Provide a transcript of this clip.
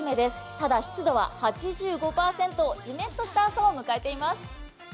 ただ、湿度は８５％、じめっとした朝を迎えています。